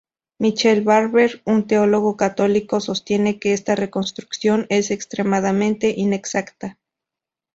Michael Barber, un teólogo católico, sostiene que esta reconstrucción es extremadamente inexacta.